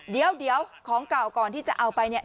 เดี๋ยวของเก่าก่อนที่จะเอาไปเนี่ย